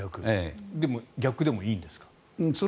でも逆でもいいんですか？